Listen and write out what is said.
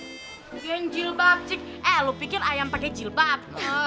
geng jilbab cik eh lo pikir ayam pake jilbab